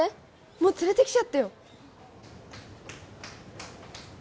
もう連れてきちゃってよ